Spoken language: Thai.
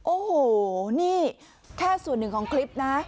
โอ้โหนี่แค่ส่วนหนึ่งของคลิปนะ